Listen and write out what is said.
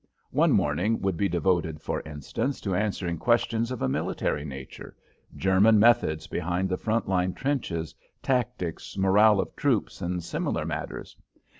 One morning would be devoted, for instance, to answering questions of a military nature German methods behind the front line trenches, tactics, morale of troops, and similar matters.